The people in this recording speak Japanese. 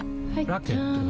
ラケットは？